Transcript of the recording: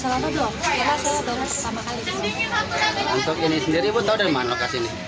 mangkuk ini sendiri ibu tau dari mana lokasi ini